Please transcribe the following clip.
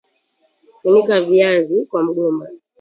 funika viazi kwa mgomba